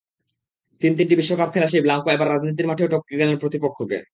তিন-তিনটি বিশ্বকাপ খেলা সেই ব্লাঙ্কো এবার রাজনীতির মাঠেও টপকে গেলেন প্রতিপক্ষকে।